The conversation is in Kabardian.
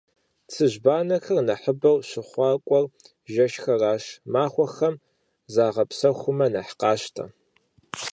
Цыжьбанэхэр нэхъыбэу щыхъуакӏуэр жэщхэращ, махуэхэм загъэпсэхумэ нэхъ къащтэ.